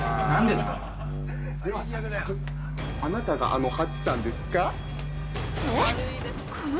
◆では早速、あなたがあのハチさんですか？